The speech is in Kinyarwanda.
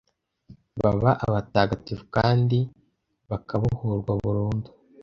baba abatagatifu kandi bakabohorwa burundu